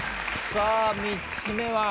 さあ３つ目は？